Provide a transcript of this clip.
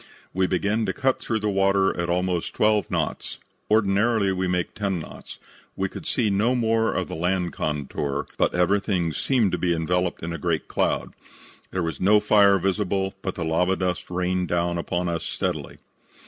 "We began to cut through the water at almost twelve knots. Ordinarily we make ten knots. We could see no more of the land contour, but everything seemed to be enveloped in a great cloud. There was no fire visible, but the lava dust rained down upon us steadily.